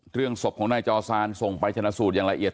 ศพของนายจอซานส่งไปชนะสูตรอย่างละเอียด